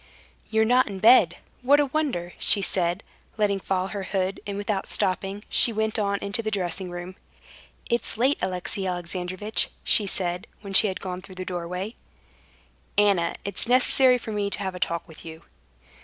"You're not in bed? What a wonder!" she said, letting fall her hood, and without stopping, she went on into the dressing room. "It's late, Alexey Alexandrovitch," she said, when she had gone through the doorway. "Anna, it's necessary for me to have a talk with you."